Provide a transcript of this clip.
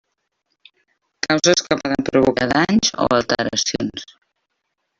Causes que poden provocar danys o alteracions.